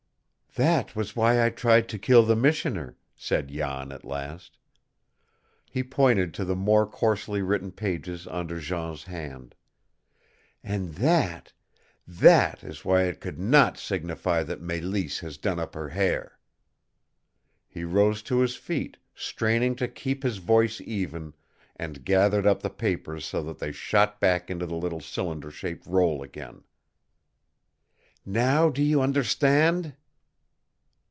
"That was why I tried to kill the missioner," said Jan at last. He pointed to the more coarsely written pages under Jean's hand. "And that that is why it could not signify that Mélisse has done up her hair." He rose to his feet, straining to keep his voice even, and gathered up the papers so that they shot back into the little cylinder shaped roll again. "Now do you understand?"